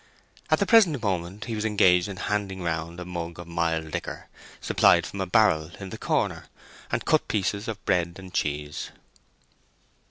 At the present moment he was engaged in handing round a mug of mild liquor, supplied from a barrel in the corner, and cut pieces of bread and cheese.